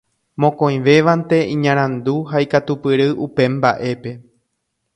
Mokõivévante iñarandu ha ikatupyry upe mbaʼépe.